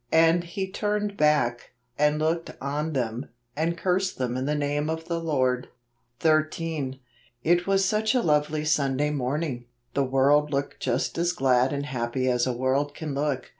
And he turned back, and looked on them, and cursed them in the name of the Lord" JULY. 77 13. It was such a lovely Sunday morning! The world looked just as glad and happy as a world can look.